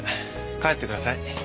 帰ってください。